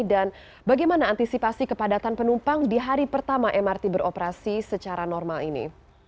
dan bagaimana antisipasi kepadatan penumpang di hari pertama mrt beroperasi secara normal ini